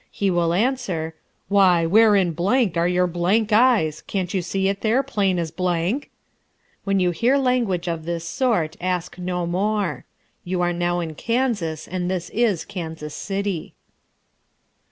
He will answer, "Why, where in blank are your blank eyes? Can't you see it there, plain as blank?" When you hear language of this sort, ask no more. You are now in Kansas and this is Kansas City.